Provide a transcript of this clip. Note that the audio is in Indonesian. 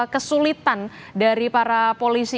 kesulitan dari para polisi